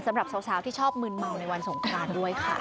สำหรับสาวที่ชอบมืนเมาในวันสงครานด้วยค่ะ